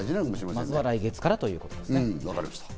まずは来月からということですね。